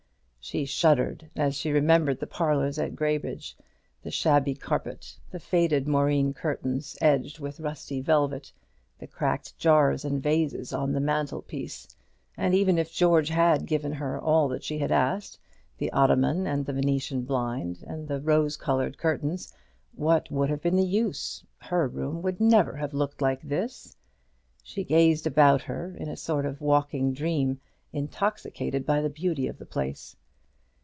She shuddered as she remembered the parlours at Graybridge, the shabby carpet, the faded moreen curtains edged with rusty velvet, the cracked jars and vases on the mantel piece; and even if George had given her all that she had asked the ottoman, and the Venetian blind, and the rose coloured curtains what would have been the use? her room would never have looked like this. She gazed about her in a sort of walking dream, intoxicated by the beauty of the place.